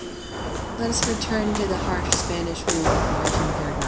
Let us return to the harsh Spanish rule of Martin Verga.